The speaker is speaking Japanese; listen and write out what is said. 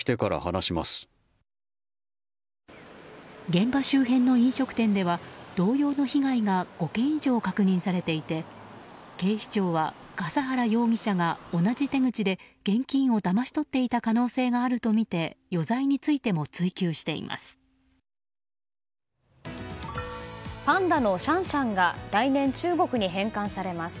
現場周辺の飲食店では同様の被害が５件以上、確認されていて警視庁は笠原容疑者が同じ手口で現金をだまし取っていた可能性があるとみて余罪についても追及しています。